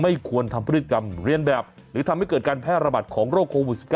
ไม่ควรทำพฤติกรรมเรียนแบบหรือทำให้เกิดการแพร่ระบาดของโรคโควิด๑๙